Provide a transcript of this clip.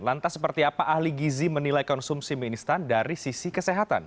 lantas seperti apa ahli gizi menilai konsumsi mie instan dari sisi kesehatan